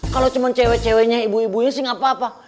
kalau cuma cewek ceweknya ibu ibunya sih nggak apa apa